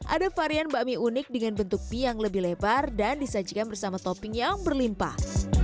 ada varian bakmi unik dengan bentuk mie yang lebih lebar dan disajikan bersama topping yang berlimpah